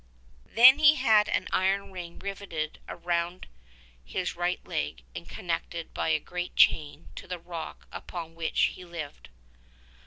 Then he had an iron ring riveted round his right leg and connected by a great chain to the rock upon which he lived.